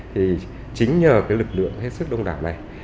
thì chính nhờ cái lực lượng hết sức đông đảo này